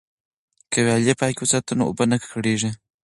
که ویالې پاکې وساتو نو اوبه نه ککړیږي.